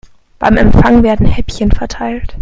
Beim Empfang werden Häppchen verteilt.